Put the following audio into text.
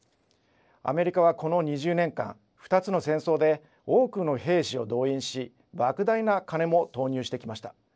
アメリカは、この２０年間２つの戦争で多くの兵士を動員しばく大な金も投入してきました。